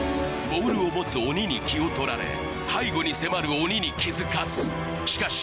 ボールを持つ鬼に気を取られ背後に迫る鬼に気づかずしかし